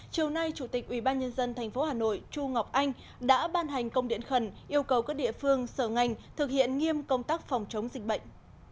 chiều nay chủ tịch ubnd tp hà nội chu ngọc anh đã ban hành công điện khẩn yêu cầu các địa phương sở ngành thực hiện nghiêm công tác phòng chống dịch bệnh